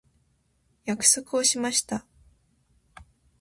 約束をしました。